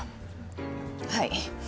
はい。